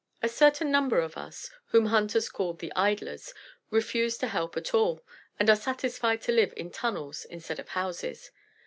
A certain number of us, whom hunters call 'the Idlers,' refuse to help at all, and are satisfied to live in tunnels instead of houses.